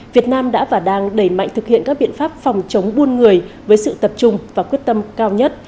việt nam đã và đang đẩy mạnh thực hiện các biện pháp phòng chống buôn người với sự tập trung và quyết tâm cao nhất